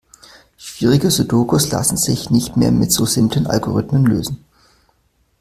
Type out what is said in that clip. Schwierige Sudokus lassen sich nicht mehr mit so simplen Algorithmen lösen.